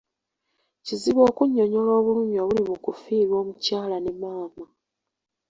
Kizibu okunnyonnyola obulumi obuli mu kufiirwa omukyala ne maama.